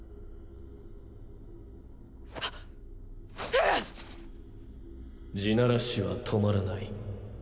エレン⁉地鳴らしは止まらない。